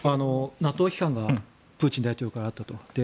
ＮＡＴＯ批判がプーチン大統領からあったと。